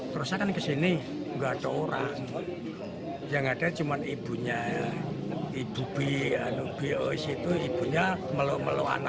terus saya kan kesini nggak ada orang yang ada cuma ibunya ibu b anu b ois itu ibunya melu melu anaknya